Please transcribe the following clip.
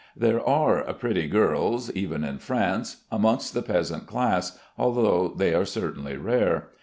There are pretty girls (even in France) amongst the peasant class, although they are certainly rare.